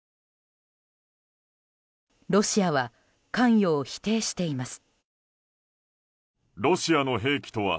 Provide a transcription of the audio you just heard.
ロシアは関与を否定しています。